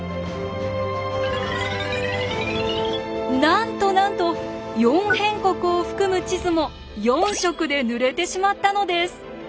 なんとなんと「四辺国」を含む地図も４色で塗れてしまったのです！